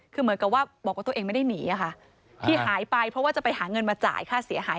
คือเหมือนกับว่าบอกว่าตัวเองไม่ได้หนีค่ะที่หายไปเพราะว่าจะไปหาเงินมาจ่ายค่าเสียหาย